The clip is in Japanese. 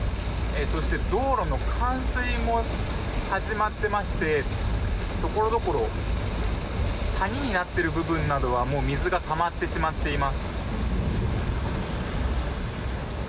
そして道路の冠水も始まってましてところどころ谷になっている部分などは水が溜まってしまっています。